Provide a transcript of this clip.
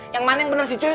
yang mana yang bener sih cuy